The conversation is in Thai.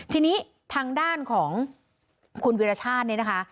ทีนี้ทางด้านของคุณวิรชาติเนี่ยนะคะ